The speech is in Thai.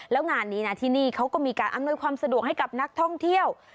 แล้วงานนี้นะที่นี่เขาก็มีการอำนวยความสะดวกให้กับนักท่องเที่ยว